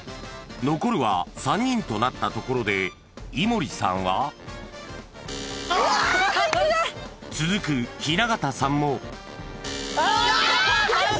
［残るは３人となったところで井森さんは］うわ入ってない！